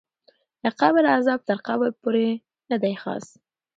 د قبر غذاب تر قبر پورې ندی خاص